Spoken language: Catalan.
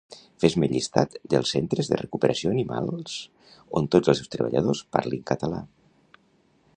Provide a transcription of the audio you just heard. Fes-me llistat dels Centres de Recuperació Animals on tots els seus treballadors parlin català